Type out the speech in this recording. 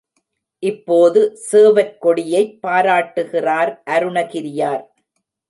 இப்போது சேவற்கொடியைப் பாராட்டுகிறார் அருணகிரியார்.